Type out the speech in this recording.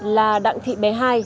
là đặng thị bé hai